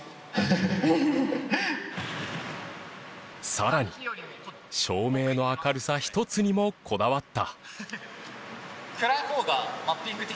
さらに照明の明るさ一つにもこだわった。